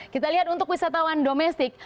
kita lihat untuk wisatawan domestik